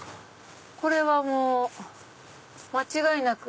これは間違いなく。